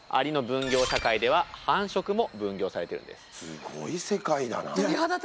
すごい世界だな。